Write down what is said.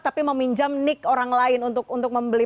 tapi meminjam nik orang lain untuk membeli